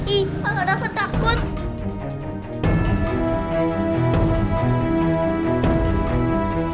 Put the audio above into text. ih aku gak dapat takut